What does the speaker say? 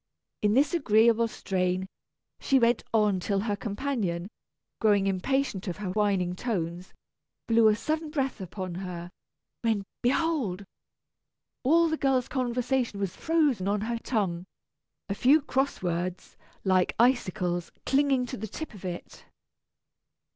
In this agreeable strain, she went on till her companion, growing impatient of her whining tones, blew a sudden breath upon her when, behold! all the girl's conversation was frozen on her tongue, a few cross words, like icicles, clinging to the tip of it!